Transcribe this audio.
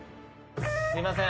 すいません